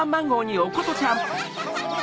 ハハハ！